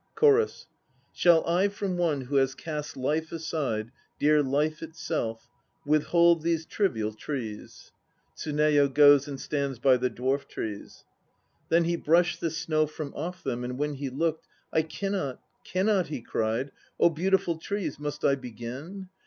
CHORUS. "Shall I from one who has cast life aside, Dear life itself, withold these trivial trees?" (TSUNEYO goes and stands by the dwarf trees.) Then he brushed the snow from off them, and when he looked, "I cannot, cannot," he cried, "0 beautiful trees, Must I begin?